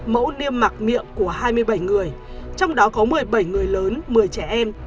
mẫu niêm mạc miệng của hai mươi bảy người trong đó có một mươi bảy người lớn một mươi trẻ em